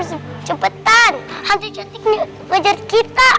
adam cepetan hantu jantiknya ngejar kita